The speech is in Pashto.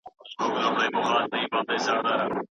ډيجيټلي زده کړه لرې زده کړه ګټوره کوي او مهارتونه زياتوي.